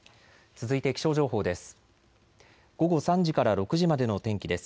続いて気象情報です。